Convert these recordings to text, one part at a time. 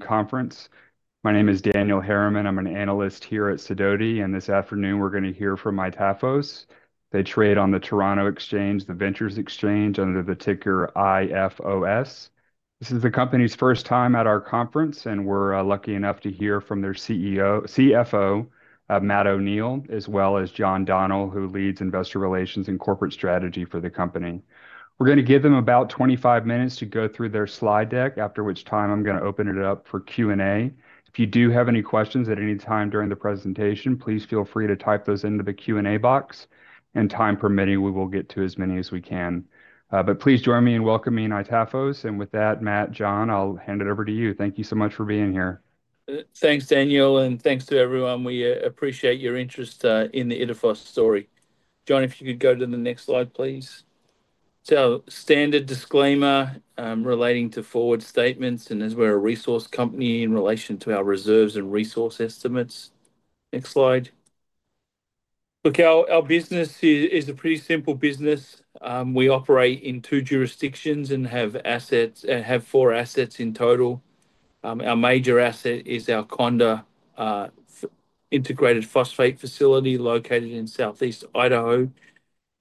Conference. My name is Daniel Harriman. I'm an Analyst here at Sidoti, and this afternoon we're going to hear from Itafos. They trade on the Toronto Exchange Venture Exchange under the ticker IFOS. This is the company's first time at our conference, and we're lucky enough to hear from their CFO, Matt O'Neill, as well as Jon Donnel, who leads investor relations and corporate strategy for the company. We're going to give them about 25 minutes to go through their slide deck, after which time I'm going to open it up for Q&A. If you do have any questions at any time during the presentation, please feel free to type those into the Q&A box, and time permitting, we will get to as many as we can. Please join me in welcoming Itafos. With that, Matt, Jon, I'll hand it over to you. Thank you so much for being here. Thanks, Daniel, and thanks to everyone. We appreciate your interest in the Itafos story. Jon, if you could go to the next slide, please. Standard disclaimer relating to forward statements, and as we're a resource company in relation to our reserves and resource estimates. Next slide. Our business is a pretty simple business. We operate in two jurisdictions and have four assets in total. Our major asset is our Conda integrated phosphate facility located in southeast Idaho.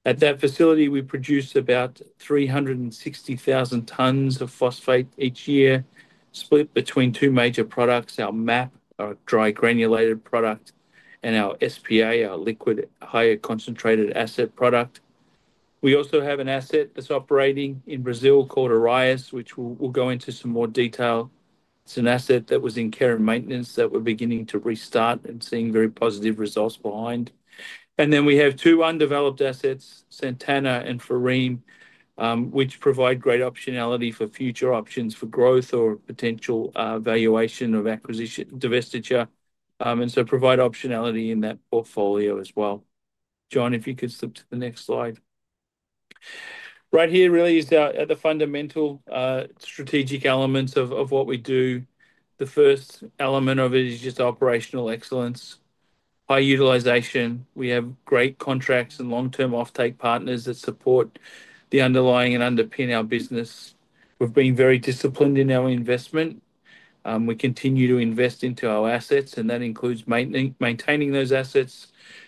At that facility, we produce about 360,000 tons of phosphate each year, split between two major products: our MAP, our dry granulated product, and our SPA, our liquid higher concentrated asset product. We also have an asset that's operating in Brazil called Arraias, which we'll go into some more detail. It's an asset that was in care and maintenance that we're beginning to restart and seeing very positive results behind. We have two undeveloped assets, Santana and Farim, which provide great optionality for future options for growth or potential valuation of acquisition divestiture, and provide optionality in that portfolio as well. Jon, if you could flip to the next slide. Right here really is the fundamental strategic elements of what we do. The first element of it is just operational excellence, high utilization. We have great contracts and long-term offtake partners that support the underlying and underpin our business. We've been very disciplined in our investment. We continue to invest into our assets, and that includes maintaining those assets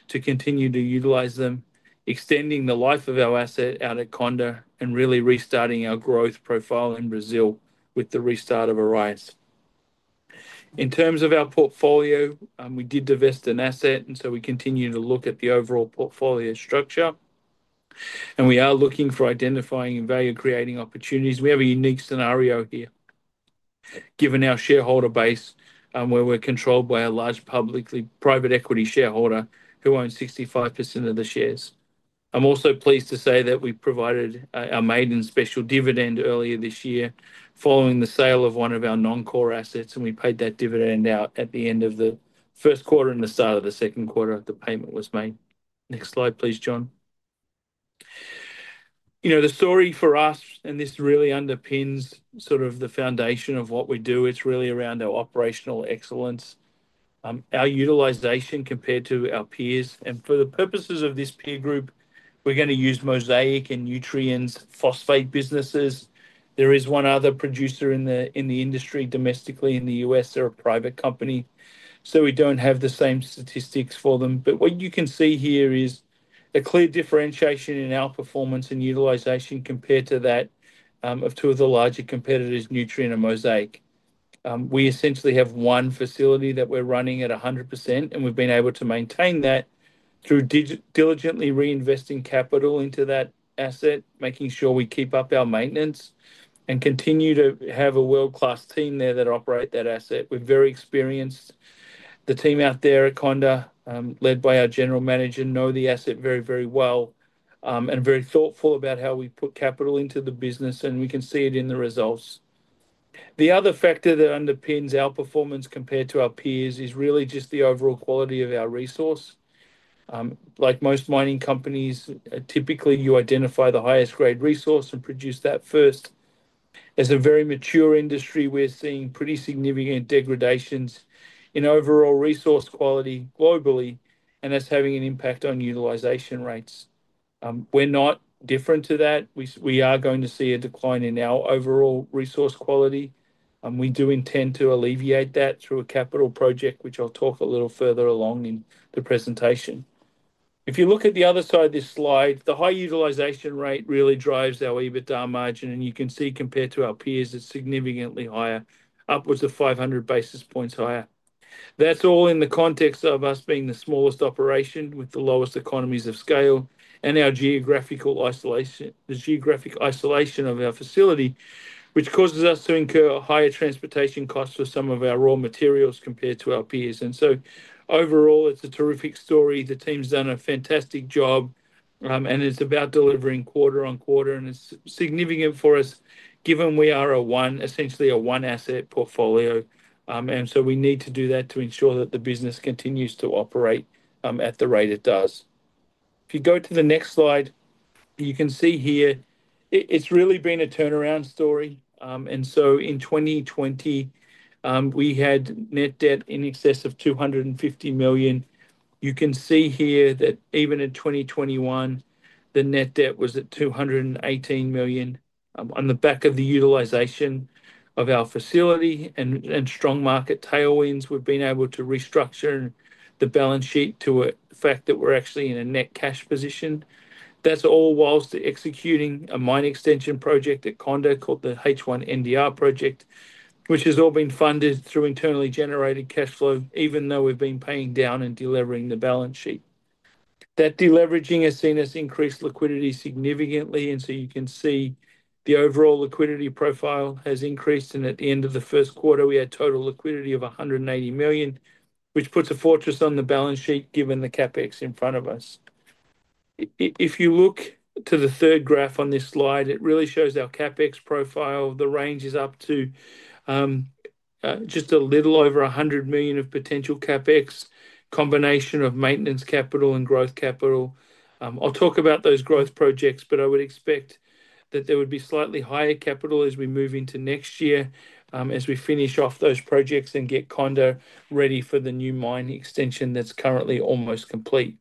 to continue to utilize them, extending the life of our asset out at Conda, and really restarting our growth profile in Brazil with the restart of Arraias. In terms of our portfolio, we did divest an asset, and we continue to look at the overall portfolio structure. We are looking for identifying and value-creating opportunities. We have a unique scenario here, given our shareholder base, where we are controlled by a large private equity shareholder who owns 65% of the shares. I'm also pleased to say that we provided our maiden special dividend earlier this year following the sale of one of our non-core assets, and we paid that dividend out at the end of the first quarter and the start of the second quarter at the payment was made. Next slide, please, Jon. You know, the story for us, and this really underpins sort of the foundation of what we do, it's really around our operational excellence, our utilization compared to our peers. For the purposes of this peer group, we are going to use Mosaic and Nutrien's phosphate businesses. There is one other producer in the industry domestically in the U.S. They're a private company, so we don't have the same statistics for them. What you can see here is a clear differentiation in our performance and utilization compared to that of two of the larger competitors, Nutrien and Mosaic. We essentially have one facility that we're running at 100%, and we've been able to maintain that through diligently reinvesting capital into that asset, making sure we keep up our maintenance and continue to have a world-class team there that operate that asset. We're very experienced. The team out there at Conda, led by our general manager, know the asset very, very well and are very thoughtful about how we put capital into the business, and we can see it in the results. The other factor that underpins our performance compared to our peers is really just the overall quality of our resource. Like most mining companies, typically you identify the highest-grade resource and produce that first. As a very mature industry, we're seeing pretty significant degradations in overall resource quality globally, and that's having an impact on utilization rates. We're not different to that. We are going to see a decline in our overall resource quality. We do intend to alleviate that through a capital project, which I'll talk a little further along in the presentation. If you look at the other side of this slide, the high utilization rate really drives our EBITDA margin, and you can see compared to our peers, it's significantly higher, upwards of 500 basis points higher. That's all in the context of us being the smallest operation with the lowest economies of scale and our geographical isolation of our facility, which causes us to incur higher transportation costs for some of our raw materials compared to our peers. Overall, it's a terrific story. The team's done a fantastic job, and it's about delivering quarter on quarter, and it's significant for us given we are a one, essentially a one asset portfolio. We need to do that to ensure that the business continues to operate at the rate it does. If you go to the next slide, you can see here it's really been a turnaround story. In 2020, we had net debt in excess of $250 million. You can see here that even in 2021, the net debt was at $218 million. On the back of the utilization of our facility and strong market tailwinds, we've been able to restructure the balance sheet to a fact that we're actually in a net cash position. That's all whilst executing a mine extension project at Conda called the H1/NDR project, which has all been funded through internally generated cash flow, even though we've been paying down and delevering the balance sheet. That deleveraging has seen us increase liquidity significantly, and you can see the overall liquidity profile has increased. At the end of the first quarter, we had total liquidity of $180 million, which puts a fortress on the balance sheet given the CapEx in front of us. If you look to the third graph on this slide, it really shows our CapEx profile. The range is up to just a little over $100 million of potential CapEx, combination of maintenance capital and growth capital. I'll talk about those growth projects, but I would expect that there would be slightly higher capital as we move into next year, as we finish off those projects and get Conda ready for the new mine extension that's currently almost complete.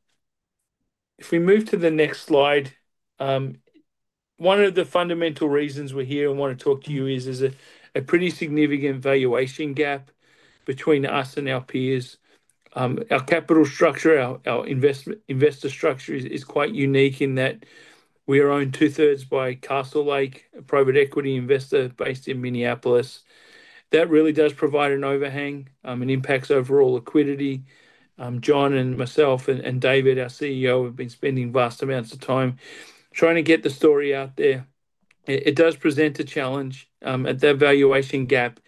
If we move to the next slide, one of the fundamental reasons we're here and want to talk to you is there's a pretty significant valuation gap between us and our peers. Our capital structure, our investor structure is quite unique in that we are owned 2/3 by Castlelake, a private equity investor based in Minneapolis. That really does provide an overhang and impacts overall liquidity. Jon and myself and David, our CEO, have been spending vast amounts of time trying to get the story out there. It does present a challenge. At that valuation gap,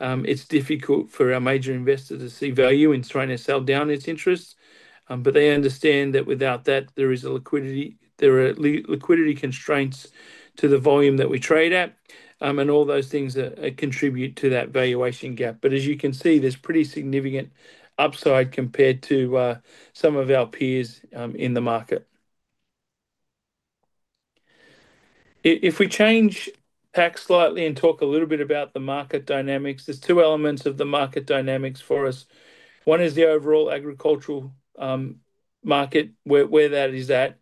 it's difficult for our major investor to see value in trying to sell down its interests, but they understand that without that, there are liquidity constraints to the volume that we trade at, and all those things contribute to that valuation gap. As you can see, there's pretty significant upside compared to some of our peers in the market. If we change tack slightly and talk a little bit about the market dynamics, there's two elements of the market dynamics for us. One is the overall agricultural market, where that is at.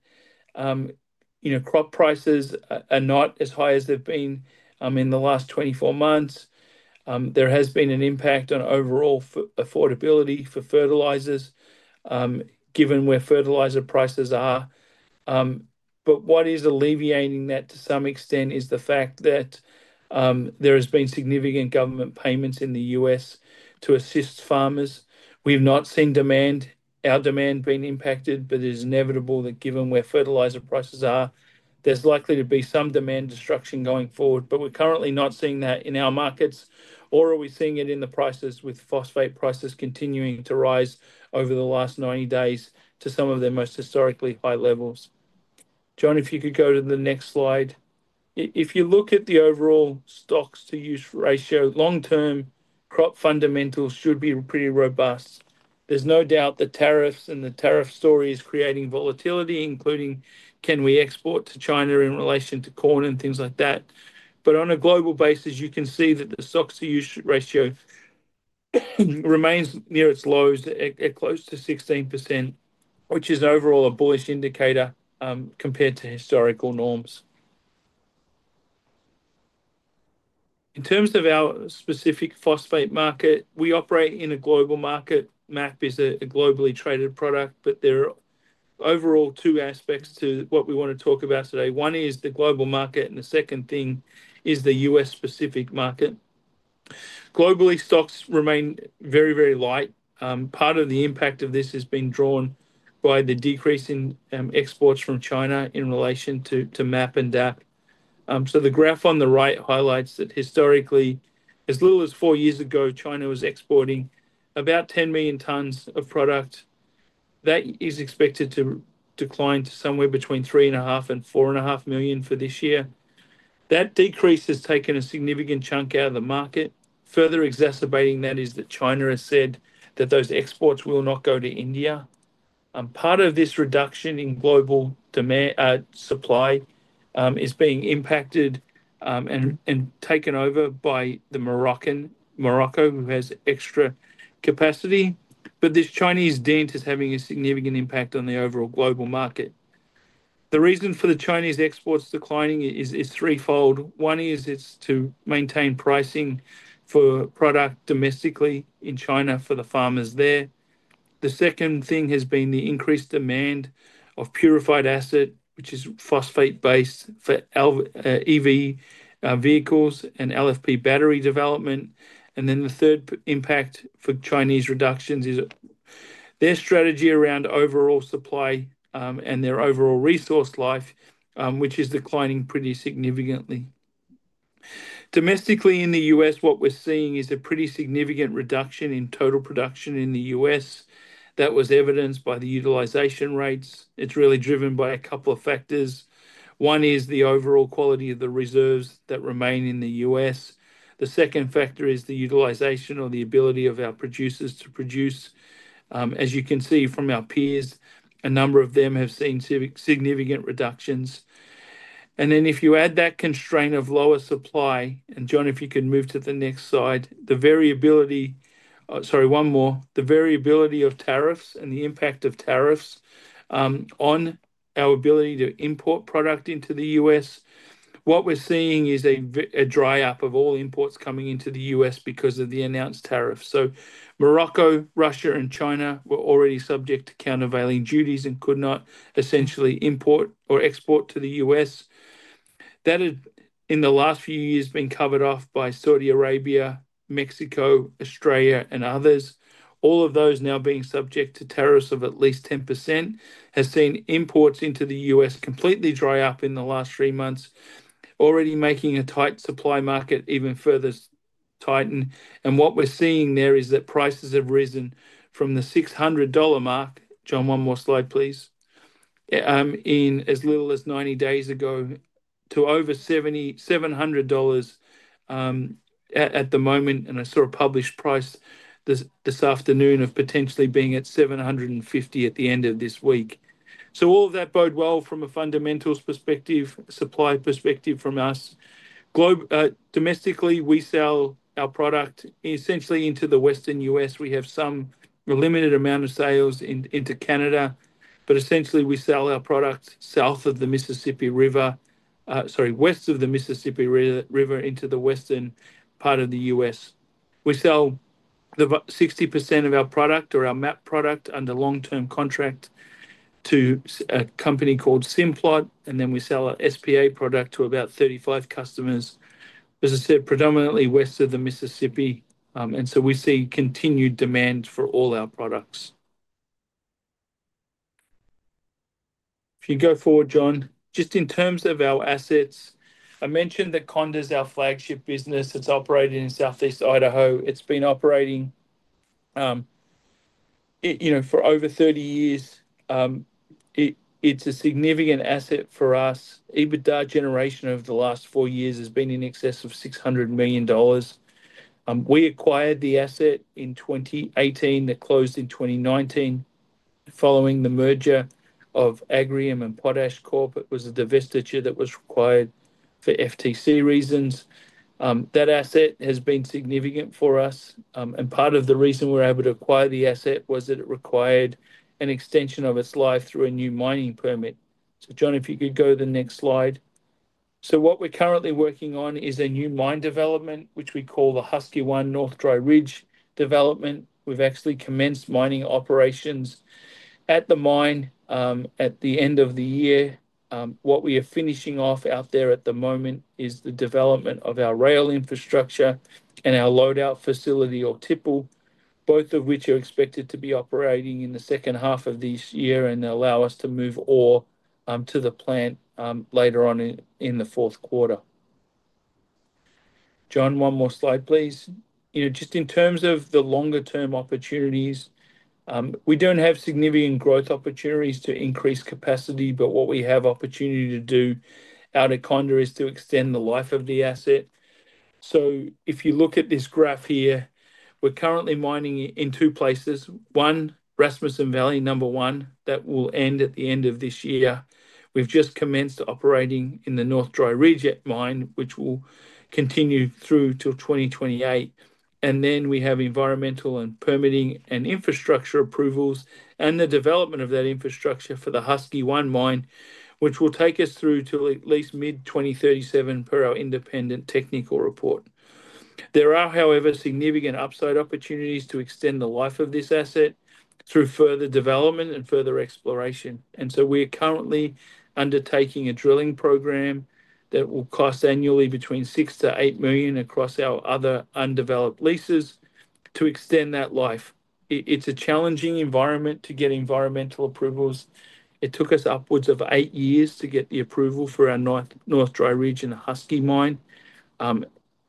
Crop prices are not as high as they've been in the last 24 months. There has been an impact on overall affordability for fertilizers, given where fertilizer prices are. What is alleviating that to some extent is the fact that there have been significant government payments in the U.S. to assist farmers. We've not seen our demand being impacted, but it is inevitable that given where fertilizer prices are, there's likely to be some demand destruction going forward. We're currently not seeing that in our markets, nor are we seeing it in the prices, with phosphate prices continuing to rise over the last 90 days to some of their most historically high levels. Jon, if you could go to the next slide. If you look at the overall stocks-to-use ratio, long-term crop fundamentals should be pretty robust. There's no doubt the tariffs and the tariff story is creating volatility, including can we export to China in relation to corn and things like that. On a global basis, you can see that the stocks-to-use ratio remains near its lows, at close to 16%, which is overall a bullish indicator compared to historical norms. In terms of our specific phosphate market, we operate in a global market. MAP is a globally traded product, but there are overall two aspects to what we want to talk about today. One is the global market, and the second thing is the U.S.-specific market. Globally, stocks remain very, very light. Part of the impact of this has been drawn by the decrease in exports from China in relation to MAP and DAP. The graph on the right highlights that historically, as little as four years ago, China was exporting about 10 million tons of product. That is expected to decline to somewhere between 3.5 million and 4.5 million for this year. That decrease has taken a significant chunk out of the market. Further exacerbating that is that China has said that those exports will not go to India. Part of this reduction in global supply is being impacted and taken over by Morocco, who has extra capacity. This Chinese dent is having a significant impact on the overall global market. The reason for the Chinese exports declining is threefold. One is it's to maintain pricing for product domestically in China for the farmers there. The second thing has been the increased demand of purified acid, which is phosphate-based EV vehicles and LFP battery development. The third impact for Chinese reductions is their strategy around overall supply and their overall resource life, which is declining pretty significantly. Domestically in the U.S., what we're seeing is a pretty significant reduction in total production in the U.S. That was evidenced by the utilization rates. It's really driven by a couple of factors. One is the overall quality of the reserves that remain in the U.S. The second factor is the utilization or the ability of our producers to produce. As you can see from our peers, a number of them have seen significant reductions. If you add that constraint of lower supply, and Jon, if you could move to the next slide, the variability—sorry, one more—the variability of tariffs and the impact of tariffs on our ability to import product into the U.S., what we're seeing is a dry-up of all imports coming into the U.S. because of the announced tariffs. Morocco, Russia, and China were already subject to countervailing duties and could not essentially import or export to the U.S. That has, in the last few years, been covered off by Saudi Arabia, Mexico, Australia, and others. All of those now being subject to tariffs of at least 10% has seen imports into the U.S. completely dry up in the last three months, already making a tight supply market even further tighten. What we are seeing there is that prices have risen from the $600 mark—Jon, one more slide, please—in as little as 90 days ago to over $700 at the moment. I saw a published price this afternoon of potentially being at $750 at the end of this week. All of that bodes well from a fundamentals perspective, supply perspective from us. Domestically, we sell our product essentially into the western U.S. We have some limited amount of sales into Canada, but essentially we sell our product west of the Mississippi River into the western part of the U.S. We sell 60% of our product or our MAP product under long-term contract to a company called Simplot, and then we sell our SPA product to about 35 customers. As I said, predominantly west of the Mississippi. We see continued demand for all our products. If you go forward, Jon, just in terms of our assets, I mentioned that Conda is our flagship business. It is operated in southeast Idaho. It has been operating for over 30 years. It is a significant asset for us. EBITDA generation over the last four years has been in excess of $600 million. We acquired the asset in 2018. It closed in 2019 following the merger of Agrium and PotashCorp. It was a divestiture that was required for FTC reasons. That asset has been significant for us. Part of the reason we were able to acquire the asset was that it required an extension of its life through a new mining permit. Jon, if you could go to the next slide. What we're currently working on is a new mine development, which we call the Husky 1 North Dry Ridge development. We've actually commenced mining operations at the mine at the end of the year. What we are finishing off out there at the moment is the development of our rail infrastructure and our load-out facility or tipple, both of which are expected to be operating in the second half of this year and allow us to move ore to the plant later on in the fourth quarter. Jon, one more slide, please. Just in terms of the longer-term opportunities, we don't have significant growth opportunities to increase capacity, but what we have opportunity to do out at Conda is to extend the life of the asset. If you look at this graph here, we're currently mining in two places. One, Rasmussen Valley, number one, that will end at the end of this year. We've just commenced operating in the North Dry Ridge at mine, which will continue through to 2028. We have environmental and permitting and infrastructure approvals and the development of that infrastructure for the Husky 1 mine, which will take us through to at least mid-2037 per our independent technical report. There are, however, significant upside opportunities to extend the life of this asset through further development and further exploration. We are currently undertaking a drilling program that will cost annually between $6 million-$8 million across our other undeveloped leases to extend that life. It's a challenging environment to get environmental approvals. It took us upwards of eight years to get the approval for our North Dry Ridge and Husky mine.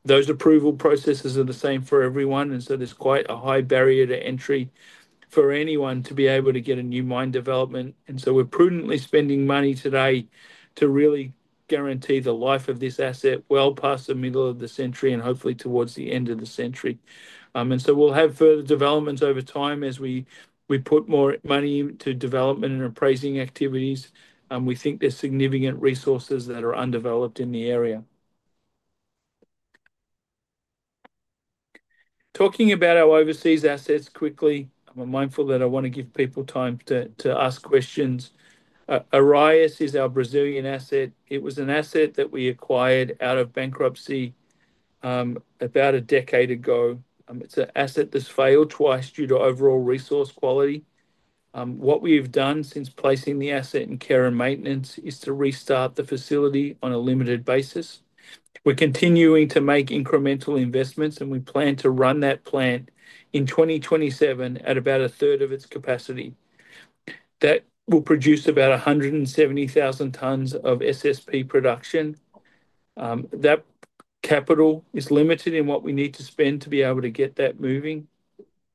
Those approval processes are the same for everyone, and so there's quite a high barrier to entry for anyone to be able to get a new mine development. We're prudently spending money today to really guarantee the life of this asset well past the middle of the century and hopefully towards the end of the century. We'll have further developments over time as we put more money into development and appraising activities. We think there's significant resources that are undeveloped in the area. Talking about our overseas assets quickly, I'm mindful that I want to give people time to ask questions. Arraias is our Brazilian asset. It was an asset that we acquired out of bankruptcy about a decade ago. It's an asset that's failed twice due to overall resource quality. What we have done since placing the asset in care and maintenance is to restart the facility on a limited basis. We're continuing to make incremental investments, and we plan to run that plant in 2027 at about 1/3 of its capacity. That will produce about 170,000 tons of SSP production. That capital is limited in what we need to spend to be able to get that moving.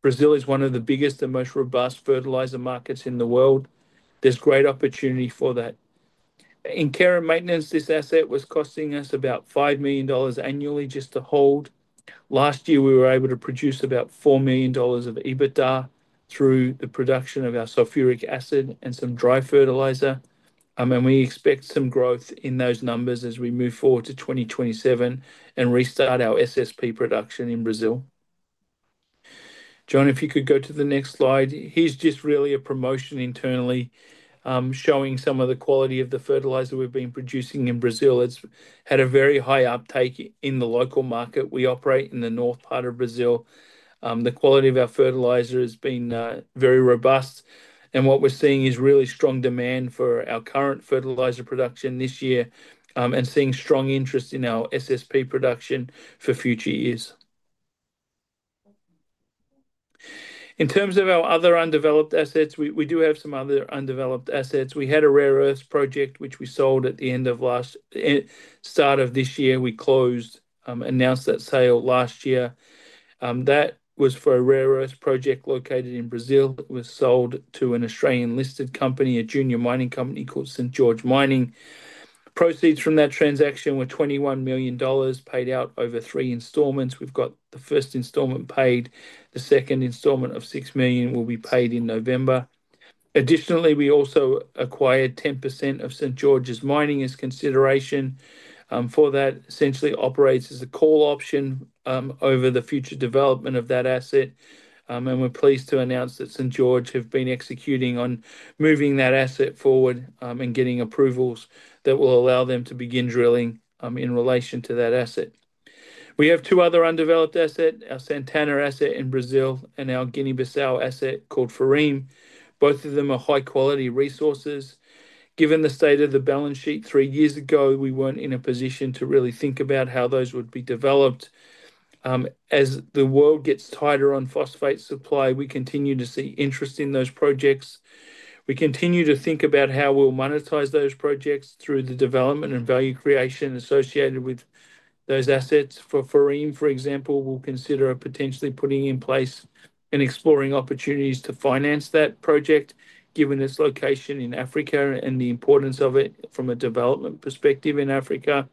Brazil is one of the biggest and most robust fertilizer markets in the world. There's great opportunity for that. In care and maintenance, this asset was costing us about $5 million annually just to hold. Last year, we were able to produce about $4 million of EBITDA through the production of our sulfuric acid and some dry fertilizer. We expect some growth in those numbers as we move forward to 2027 and restart our SSP production in Brazil. Jon, if you could go to the next slide. Here's just really a promotion internally showing some of the quality of the fertilizer we've been producing in Brazil. It's had a very high uptake in the local market. We operate in the north part of Brazil. The quality of our fertilizer has been very robust. What we're seeing is really strong demand for our current fertilizer production this year and seeing strong interest in our SSP production for future years. In terms of our other undeveloped assets, we do have some other undeveloped assets. We had a rare earth project, which we sold at the end of last, start of this year. We closed, announced that sale last year. That was for a rare earth project located in Brazil. It was sold to an Australian listed company, a junior mining company called St George Mining. Proceeds from that transaction were $21 million paid out over three installments. We've got the first installment paid. The second installment of $6 million will be paid in November. Additionally, we also acquired 10% of St George Mining as consideration for that. It essentially operates as a call option over the future development of that asset. We're pleased to announce that St George have been executing on moving that asset forward and getting approvals that will allow them to begin drilling in relation to that asset. We have two other undeveloped assets, our Santana asset in Brazil and our Guinea-Bissau asset called Farim. Both of them are high-quality resources. Given the state of the balance sheet three years ago, we weren't in a position to really think about how those would be developed. As the world gets tighter on phosphate supply, we continue to see interest in those projects. We continue to think about how we'll monetize those projects through the development and value creation associated with those assets. For Farim, for example, we'll consider potentially putting in place and exploring opportunities to finance that project, given its location in Africa and the importance of it from a development perspective in Africa.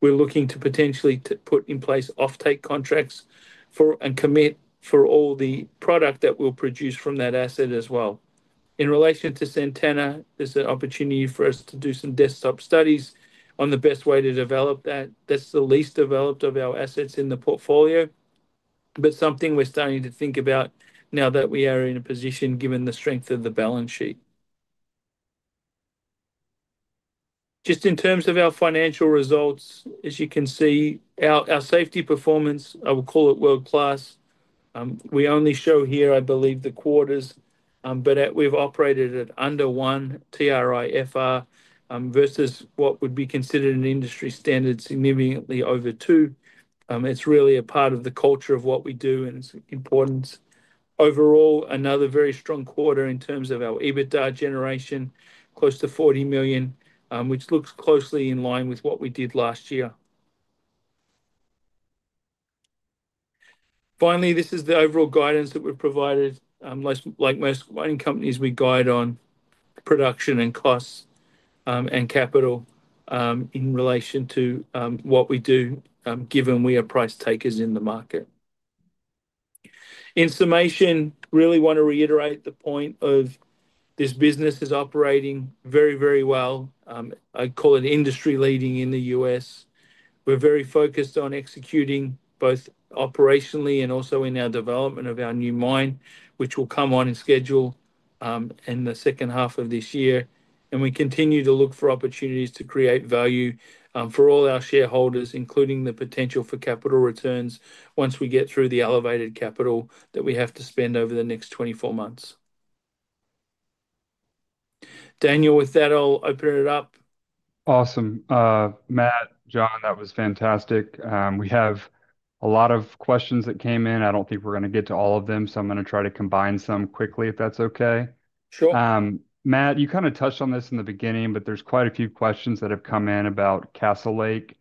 We're looking to potentially put in place offtake contracts and commit for all the product that we'll produce from that asset as well. In relation to Santana, there's an opportunity for us to do some desktop studies on the best way to develop that. That's the least developed of our assets in the portfolio, but something we're starting to think about now that we are in a position, given the strength of the balance sheet. Just in terms of our financial results, as you can see, our safety performance, I will call it world-class. We only show here, I believe, the quarters, but we've operated at under one TRIFR versus what would be considered an industry standard significantly over two. It's really a part of the culture of what we do and its importance. Overall, another very strong quarter in terms of our EBITDA generation, close to $40 million, which looks closely in line with what we did last year. Finally, this is the overall guidance that we've provided. Like most mining companies, we guide on production and costs and capital in relation to what we do, given we are price takers in the market. In summation, really want to reiterate the point of this business is operating very, very well. I'd call it industry-leading in the U.S. We're very focused on executing both operationally and also in our development of our new mine, which will come on schedule in the second half of this year. We continue to look for opportunities to create value for all our shareholders, including the potential for capital returns once we get through the elevated capital that we have to spend over the next 24 months. Daniel, with that, I'll open it up. Awesome. Matt, Jon, that was fantastic. We have a lot of questions that came in. I don't think we're going to get to all of them, so I'm going to try to combine some quickly if that's okay. Sure. Matt, you kind of touched on this in the beginning, but there's quite a few questions that have come in about Castlelake.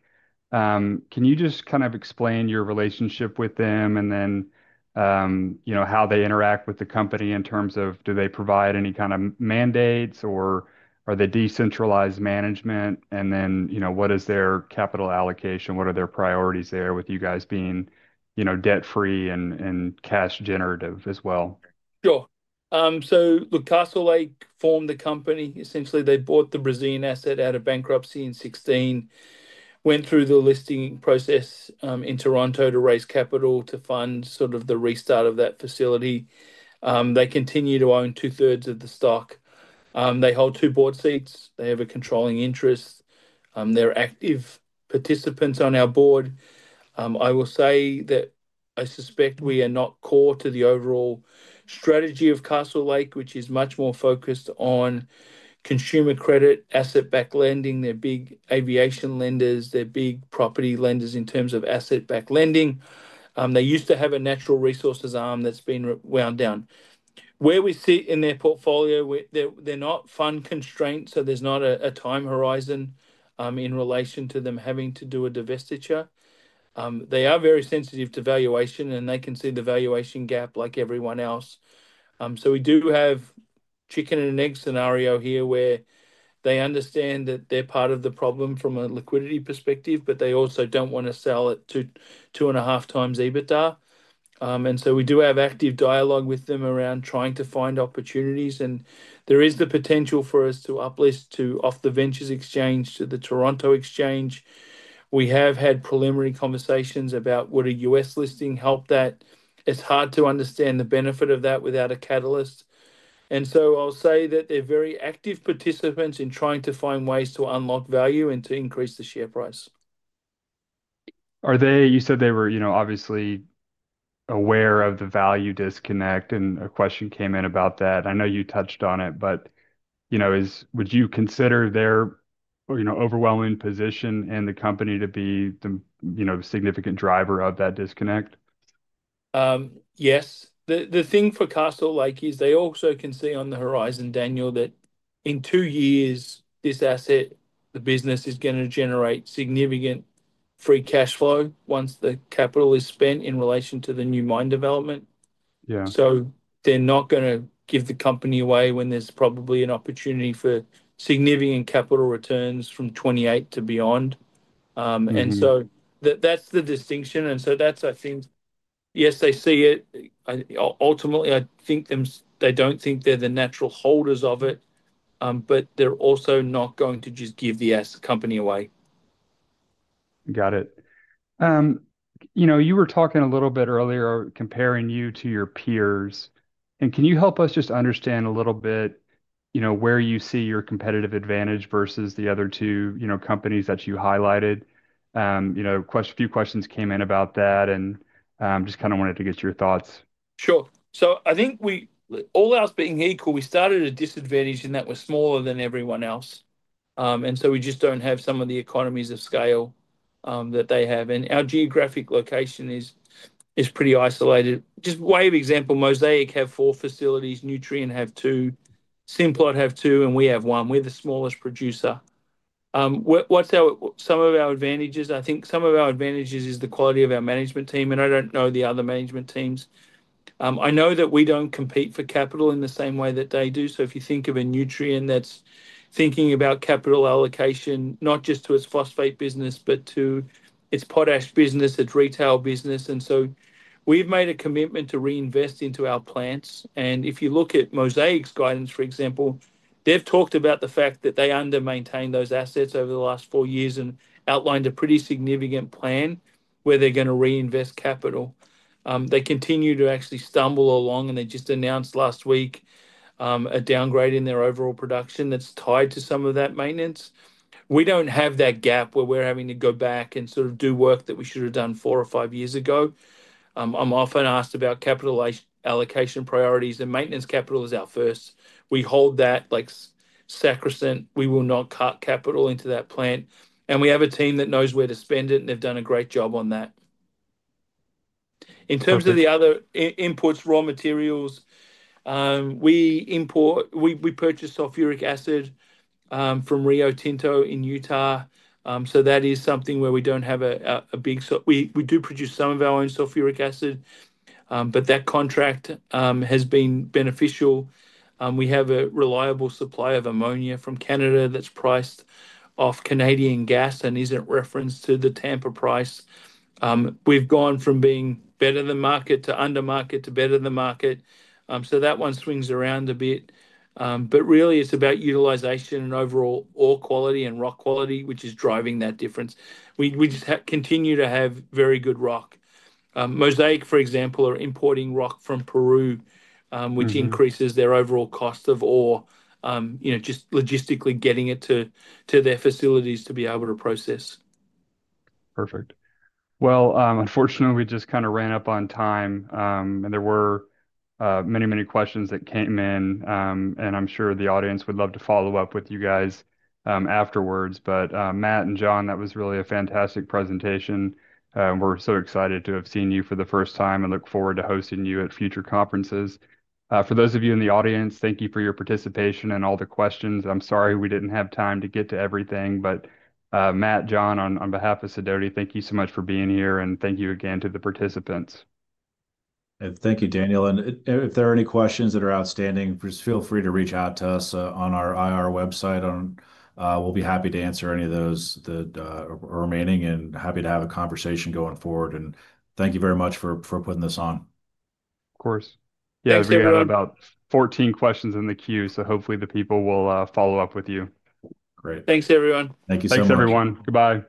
Can you just kind of explain your relationship with them and then how they interact with the company in terms of do they provide any kind of mandates or are they decentralized management? What is their capital allocation? What are their priorities there with you guys being debt-free and cash-generative as well? Sure. Castlelake formed the company. Essentially, they bought the Brazilian asset out of bankruptcy in 2016, went through the listing process in Toronto to raise capital to fund sort of the restart of that facility. They continue to own 2/3 of the stock. They hold two board seats. They have a controlling interest. They're active participants on our board. I will say that I suspect we are not core to the overall strategy of Castlelake, which is much more focused on consumer credit, asset-backed lending. They're big aviation lenders. They're big property lenders in terms of asset-backed lending. They used to have a natural resources arm that's been wound down. Where we sit in their portfolio, they're not fund-constrained, so there's not a time horizon in relation to them having to do a divestiture. They are very sensitive to valuation, and they can see the valuation gap like everyone else. We do have a chicken-and-egg scenario here where they understand that they're part of the problem from a liquidity perspective, but they also don't want to sell it at 2.5x EBITDA. We do have active dialogue with them around trying to find opportunities. There is the potential for us to uplist off the Ventures Exchange to the Toronto Exchange. We have had preliminary conversations about whether a U.S. listing would help that. It's hard to understand the benefit of that without a catalyst. I'll say that they're very active participants in trying to find ways to unlock value and to increase the share price. You said they were obviously aware of the value disconnect, and a question came in about that. I know you touched on it, but would you consider their overwhelming position in the company to be the significant driver of that disconnect? Yes. The thing for Castlelake is they also can see on the horizon, Daniel, that in two years, this asset, the business is going to generate significant free cash flow once the capital is spent in relation to the new mine development. They're not going to give the company away when there's probably an opportunity for significant capital returns from 2028 to beyond. That's the distinction. That is, I think, yes, they see it. Ultimately, I think they do not think they are the natural holders of it, but they are also not going to just give the company away. Got it. You were talking a little bit earlier comparing you to your peers. Can you help us just understand a little bit where you see your competitive advantage versus the other two companies that you highlighted? A few questions came in about that, and just kind of wanted to get your thoughts. Sure. I think all else being equal, we started at a disadvantage in that we are smaller than everyone else. We just do not have some of the economies of scale that they have. Our geographic location is pretty isolated. Just by way of example, Mosaic have four facilities, Nutrien have two, Simplot have two, and we have one. We are the smallest producer. Some of our advantages, I think some of our advantages is the quality of our management team, and I do not know the other management teams. I know that we do not compete for capital in the same way that they do. If you think of a Nutrien that is thinking about capital allocation, not just to its phosphate business, but to its potash business, its retail business. We have made a commitment to reinvest into our plants. If you look at Mosaic's guidance, for example, they have talked about the fact that they undermaintain those assets over the last four years and outlined a pretty significant plan where they are going to reinvest capital. They continue to actually stumble along, and they just announced last week a downgrade in their overall production that is tied to some of that maintenance. We do not have that gap where we are having to go back and sort of do work that we should have done four or five years ago. I am often asked about capital allocation priorities, and maintenance capital is our first. We hold that like sacrosanct. We will not cut capital into that plant. We have a team that knows where to spend it, and they have done a great job on that. In terms of the other inputs, raw materials, we purchase sulfuric acid from Rio Tinto in Utah. That is something where we do not have a big—we do produce some of our own sulfuric acid, but that contract has been beneficial. We have a reliable supply of ammonia from Canada that is priced off Canadian gas and is not referenced to the Tampa price. We have gone from being better than market to undermarket to better than market. That one swings around a bit. Really, it's about utilization and overall ore quality and rock quality, which is driving that difference. We continue to have very good rock. Mosaic, for example, are importing rock from Peru, which increases their overall cost of ore, just logistically getting it to their facilities to be able to process. Perfect. Unfortunately, we just kind of ran up on time, and there were many, many questions that came in. I'm sure the audience would love to follow up with you guys afterwards. Matt and Jon, that was really a fantastic presentation. We're so excited to have seen you for the first time and look forward to hosting you at future conferences. For those of you in the audience, thank you for your participation and all the questions. I'm sorry we didn't have time to get to everything. Matt, Jon, on behalf of Sidoti, thank you so much for being here, and thank you again to the participants. Thank you, Daniel. If there are any questions that are outstanding, just feel free to reach out to us on our IR website. We'll be happy to answer any of those remaining and happy to have a conversation going forward. Thank you very much for putting this on. Of course. Yeah, we had about 14 questions in the queue, so hopefully the people will follow up with you. Great. Thanks, everyone. Thank you so much. Thanks, everyone. Goodbye. Bye.